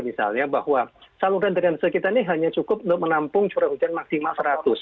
misalnya bahwa saluran drainase kita ini hanya cukup untuk menampung curah hujan maksimal seratus